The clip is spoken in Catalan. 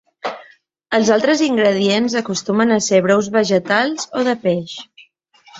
Els altres ingredients acostumen a ser brous vegetals o de peix.